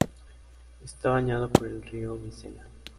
Está bañado por el Río Vizela.